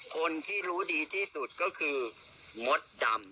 คนที่รู้ดีที่สุดก็คือมดดำ